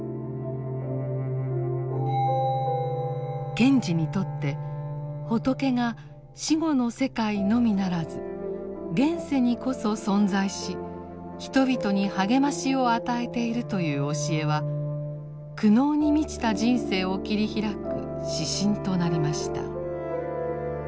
賢治にとって仏が死後の世界のみならず現世にこそ存在し人々に励ましを与えているという教えは苦悩に満ちた人生を切り開く指針となりました。